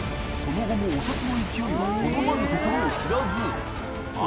慮紊お札の勢いはとどまるところを知らず磴